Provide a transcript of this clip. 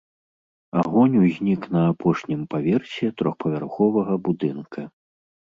Агонь узнік на апошнім паверсе трохпавярховага будынка.